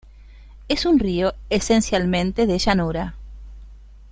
Es un río esencialmente de llanura.